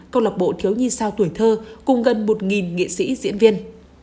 công lập bộ thiếu nhi sao tuổi thơ cùng gần một nghệ sĩ diễn viên